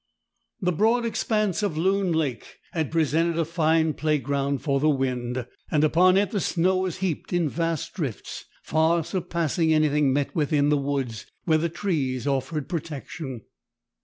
The broad expanse of Loon Lake had presented a fine playground for the wind, and upon it the snow was heaped in vast drifts, far surpassing anything met with in the woods, where the trees afforded protection.